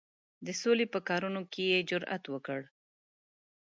د سولي په کارونو کې یې جرأت وکړ.